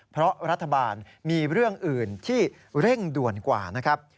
เพราะรัฐบาลมีเรื่องอื่นที่เร่งด่วนกว่านะครับ